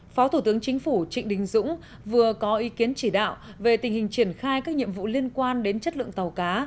phó thủ tướng chính phủ trịnh đình dũng vừa có ý kiến chỉ đạo về tình hình triển khai các nhiệm vụ liên quan đến chất lượng tàu cá